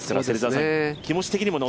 気持ち的にもノ